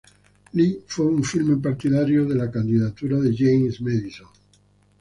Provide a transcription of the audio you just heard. Lee fue un firme partidario de la candidatura de James Madison.